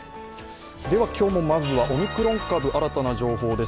今日もまずはオミクロン株新たな情報です。